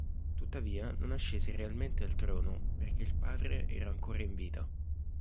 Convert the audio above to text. Tuttavia, non ascese realmente al trono perché il padre era ancora in vita.